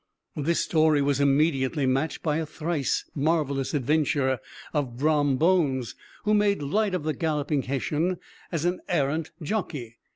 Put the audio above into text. This story was immediately matched by a thrice marvelous adventure of Brom Bones, who made light of the galloping Hessian as an arrant jockey.